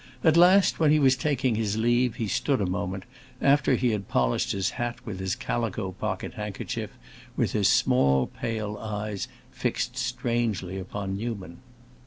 At last, when he was taking his leave, he stood a moment, after he had polished his hat with his calico pocket handkerchief, with his small, pale eyes fixed strangely upon Newman.